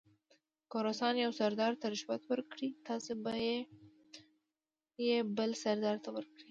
که روسان یو سردار ته رشوت ورکړي تاسې به یې بل سردار ته ورکړئ.